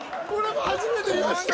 初めて見ました。